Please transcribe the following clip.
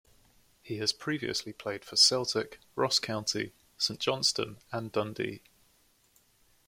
He has previously played for Celtic, Ross County, Saint Johnstone and Dundee.